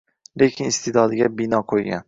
Lekin iste’dodiga bino qo‘ygan.